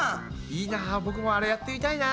いいな僕もあれやってみたいな。